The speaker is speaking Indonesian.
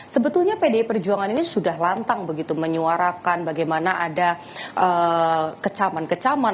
sebetulnya pdi perjuangan ini sudah lantang begitu menyuarakan bagaimana ada kecaman kecaman